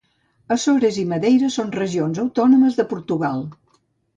Açores i Madeira són regions autònomes de Portugal.